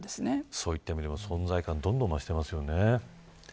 そういった意味でも存在感がどんどん増していますよね。